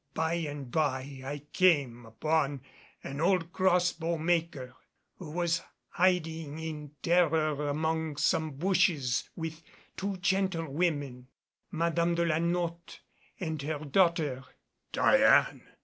By and by I came upon the old crossbow maker, who was hiding in terror among some bushes, with two gentlewomen, Madame de la Notte and her daughter " "Diane!"